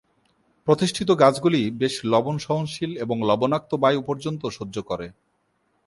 প্রতিষ্ঠিত গাছগুলি বেশ লবণ সহনশীল এবং লবণাক্ত বায়ু পর্যন্ত সহ্য করে।